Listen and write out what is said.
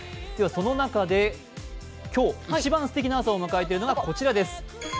その中で今日一番すてきな朝を迎えているのがこちらです。